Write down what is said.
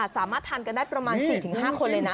สามารถทานกันได้ประมาณ๔๕คนเลยนะ